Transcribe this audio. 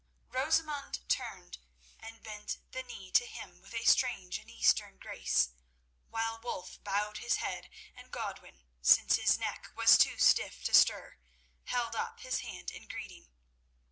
Rosamund turned and bent the knee to him with a strange and Eastern grace, while Wulf bowed his head, and Godwin, since his neck was too stiff to stir, held up his hand in greeting.